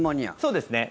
そうですね。